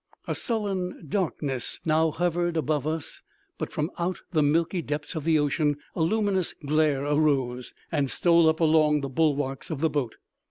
_ A sullen darkness now hovered above us—but from out the milky depths of the ocean a luminous glare arose, and stole up along the bulwarks of the boat.